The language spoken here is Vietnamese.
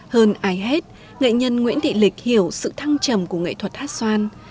hơn ai hết nghệ nhân nguyễn thị lịch hiểu sự thăng trầm của nghệ thuật hát xoan